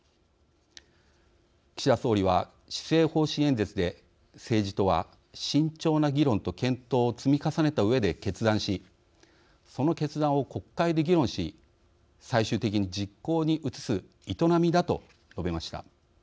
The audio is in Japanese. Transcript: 岸田総理は施政方針演説で政治とは慎重な議論と検討を積み重ねたうえで決断しその決断を国会で議論し最終的に実行に移す営みだと述べました。